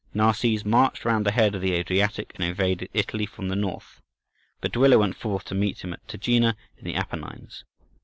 Narses marched round the head of the Adriatic, and invaded Italy from the north. Baduila went forth to meet him at Tagina, in the Apennines.